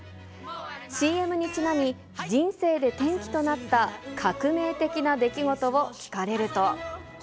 ＣＭにちなみ、人生で転機となった革命的な出来事を聞かれると。